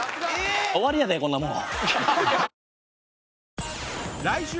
終わりやでこんなもん。